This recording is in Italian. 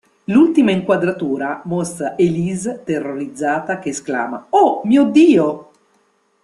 L'ultima inquadratura mostra Elise terrorizzata che esclama "Oh mio Dio!